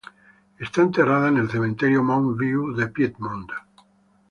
Está enterrada en el Cementerio Mountain View de Piedmont.